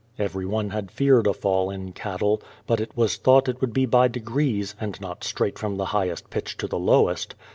Everyone had feared a fall in cattle, but it was thought it would be by degrees, and not straight from the highest pitch to the lowest.